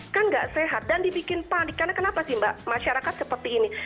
kan nggak sehat dan dibikin panik karena kenapa sih mbak masyarakat seperti ini